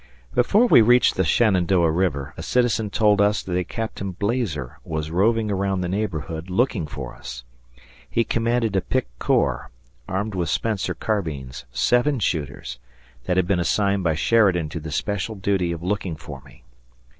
Before we reached the Shenandoah River, a citizen told us that a Captain Blazer was roving around the neighborhood looking for us. He commanded a picked corps, armed with Spencer carbines seven shooters that had been assigned by Sheridan to the special duty of looking for me.